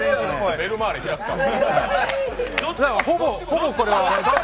ベルマーレ平塚の。